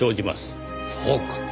そうか。